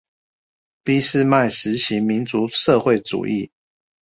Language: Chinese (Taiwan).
俾斯麥實行民族社會主義